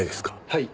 はい。